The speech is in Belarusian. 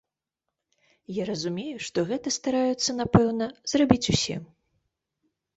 Я разумею, што гэта стараюцца напэўна, зрабіць усе.